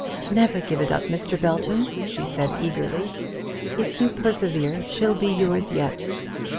"Never give it up, Mr. Belton," said she, eagerly. "If you persevere she'll be yours yet."